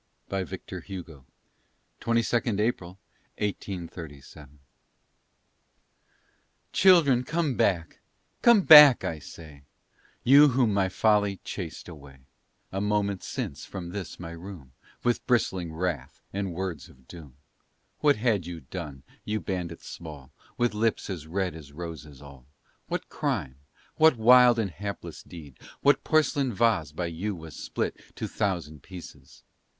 ("Enfants! Oh! revenez!") [XXII, April, 1837] Children, come back come back, I say You whom my folly chased away A moment since, from this my room, With bristling wrath and words of doom! What had you done, you bandits small, With lips as red as roses all? What crime? what wild and hapless deed? What porcelain vase by you was split To thousand pieces?